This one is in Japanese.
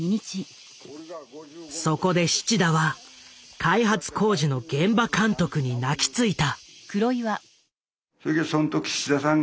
そこで七田は開発工事の現場監督に泣きついた。